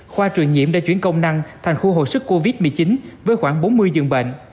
khoa truyền nhiễm đã chuyển công năng thành khu hồi sức covid một mươi chín với khoảng bốn mươi dường bệnh